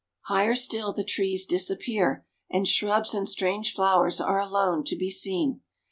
Higher still the trees disappear, and shrubs and strange flowers are alone to be seen.